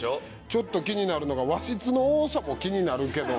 ちょっと気になるのが和室の多さも気になるけど。